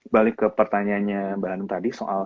balik ke pertanyaannya mbak anum tadi soal